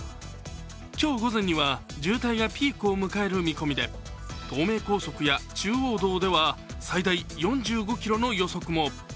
今日午前には渋滞がピークを迎える見込みで、東名高速や中央道では最大４５ｋｍの予測も。